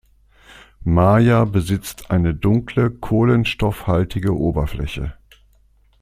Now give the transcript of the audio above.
Maja besitzt eine dunkle, kohlenstoffhaltige Oberfläche.